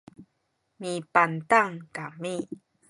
mipantang kami